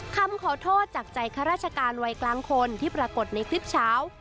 คำขอโทษจากใจข้าราชการวัยกลางคนที่ปรากฏในคลิปเช้า